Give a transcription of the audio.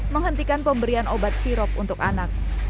menghentikan pemberian obat sirop untuk anak